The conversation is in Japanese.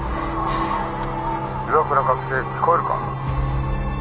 「岩倉学生聞こえるか？」。